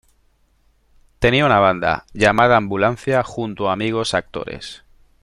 Tenía una banda, llamada "Ambulancia" junto a amigos actores.